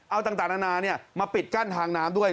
เอาต่างนานามาปิดกั้นทางน้ำด้วย